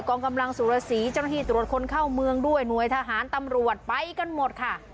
องกำลังสุรสีเจ้าหน้าที่ตรวจคนเข้าเมืองด้วยหน่วยทหารตำรวจไปกันหมดค่ะ